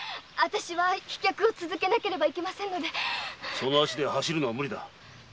その足で走るのは無理だ。